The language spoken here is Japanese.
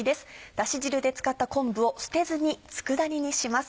だし汁で使った昆布を捨てずに佃煮にします。